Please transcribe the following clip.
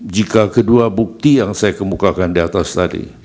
jika kedua bukti yang saya kemukakan di atas tadi